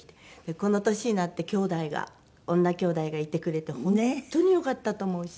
この年になってきょうだいが女きょうだいがいてくれて本当によかったと思うし。